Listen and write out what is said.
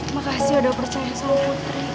makasih udah percaya sama putri